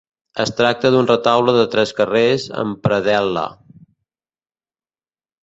Es tracta d'un retaule de tres carrers amb predel·la.